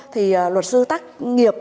thì luật sư tác nghiệp